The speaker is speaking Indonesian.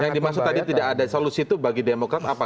yang dimaksud tadi tidak ada solusi itu bagi demokrat apa